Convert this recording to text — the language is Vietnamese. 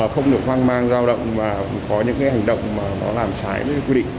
không được hoang mang giao động mà có những hành động mà nó làm trái với quy định